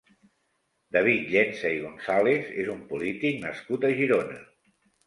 David Llensa i González és un polític nascut a Girona.